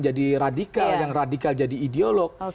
jadi radikal yang radikal jadi ideolog